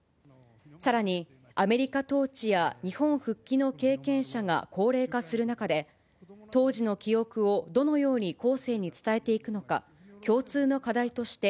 さらに、アメリカ統治や日本復帰の経験者が高齢化する中で、当時の記憶をどのように後世に伝えていくのか、共通の課題として